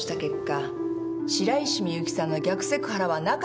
白石美由紀さんの逆セクハラはなかったと主張します。